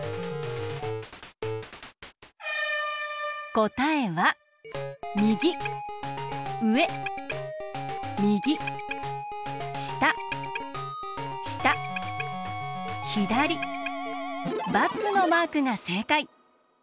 こたえはみぎうえみぎしたしたひだりばつのマークがせいかい。